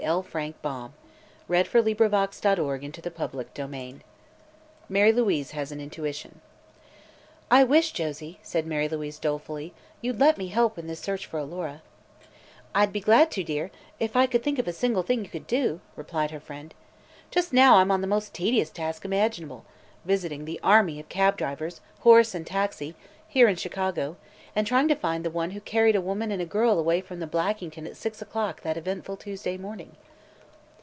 Janet had placed a pen and inkstand beside it. CHAPTER XXIII MARY LOUISE HAS AN INTUITION "I wish, Josie," said Mary Louise dolefully, "you'd let me help in this search for Alora." "I'd be glad to, dear, if I could think of a single thing you can do," replied her friend. "Just now I'm on the most tedious task imaginable visiting the army of cab drivers horse and taxi here in Chicago and trying to find the one who carried a woman and a girl away from the Blackington at six o'clock that eventful Tuesday morning."